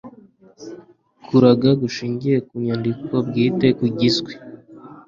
kuraga gushingiye ku nyandiko bwite kugizwe